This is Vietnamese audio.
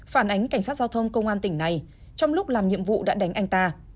phản ánh cảnh sát giao thông công an tỉnh này trong lúc làm nhiệm vụ đã đánh anh ta